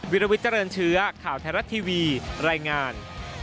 วิลวิทเจริญเชื้อข่าวไทยรัฐทีวีรายงาน